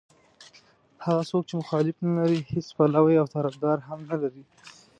هغه څوک چې مخالف نه لري هېڅ پلوی او طرفدار هم نه لري.